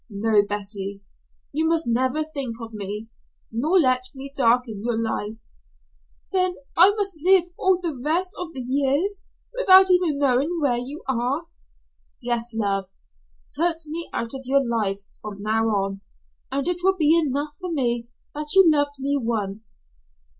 "No, Betty. You must never think of me, nor let me darken your life." "Then must I live all the rest of the years without even knowing where you are?" "Yes, love. Put me out of your life from now on, and it will be enough for me that you loved me once."